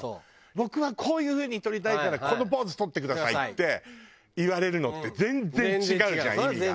「僕はこういう風に撮りたいからこのポーズ撮ってください！」って言われるのって全然違うじゃん意味が。